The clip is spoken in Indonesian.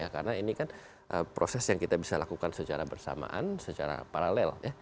karena ini kan proses yang kita bisa lakukan secara bersamaan secara paralel